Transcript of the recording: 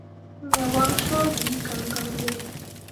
Me wancor ɓi gangan ɓe.